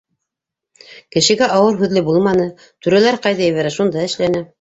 Кешегә ауыр һүҙле булманы, түрәләр ҡайҙа ебәрә, шунда эшләне.